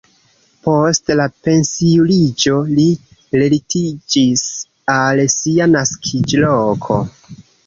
Post la pensiuliĝo li retiriĝis al sia naskiĝloko.